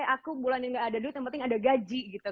aku bulan yang gak ada duit yang penting ada gaji gitu